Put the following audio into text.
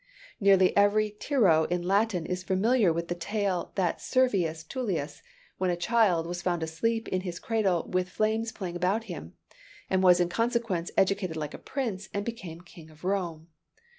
Nearly every tyro in Latin is familiar with the tale that Servius Tullius, when a child, was found asleep in his cradle with flames playing about him, and was in consequence educated like a prince, and became king of Rome.